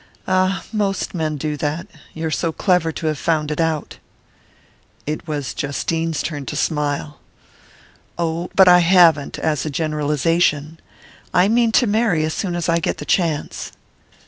"Ah, most men do that you're so clever to have found it out!" It was Justine's turn to smile. "Oh, but I haven't as a generalization. I mean to marry as soon as I get the chance!"